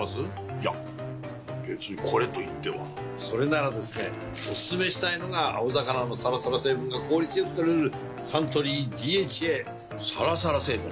いや別にこれといってはそれならですねおすすめしたいのが青魚のサラサラ成分が効率良く摂れるサントリー「ＤＨＡ」サラサラ成分？